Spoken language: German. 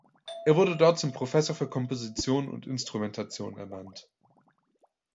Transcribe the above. Er wurde dort zum Professor für Komposition und Instrumentation ernannt.